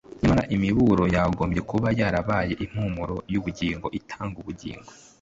Nyamara imiburo yagombye kuba yarabaye impumuro yubugingo itanga ubugingo